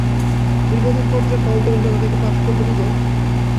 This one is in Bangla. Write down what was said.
দীর্ঘদিন পর যে ফল বের হলো, তাতে কি পাস করল দুদক?